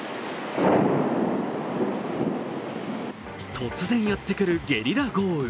突然やってくるゲリラ豪雨。